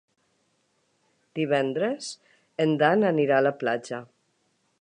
Divendres en Dan anirà a la platja.